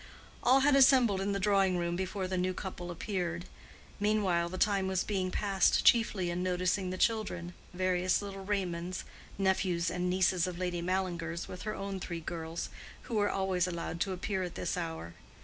All had assembled in the drawing room before the new couple appeared. Meanwhile, the time was being passed chiefly in noticing the children—various little Raymonds, nephews and nieces of Lady Mallinger's with her own three girls, who were always allowed to appear at this hour.